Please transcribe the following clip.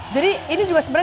jadi ini juga sebenernya